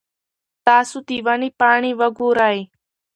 تاسو د ونې پاڼې وګورئ.